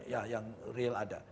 ya yang real ada